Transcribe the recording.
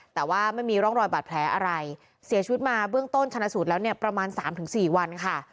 แต่ว่าไม่มีร่องรอยบาดแผลอะไรเสียชีวิตมาเบื้องต้นชนะสูตรแล้วเนี่ยประมาณ๓๔วันค่ะ